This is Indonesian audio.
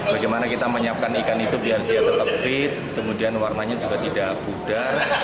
bagaimana kita menyiapkan ikan itu biar dia tetap fit kemudian warnanya juga tidak pudar